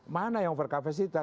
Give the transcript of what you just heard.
mana yang overkapasitas